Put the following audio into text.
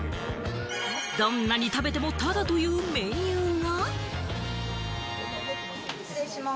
どんなに食べてもタダというメニューが。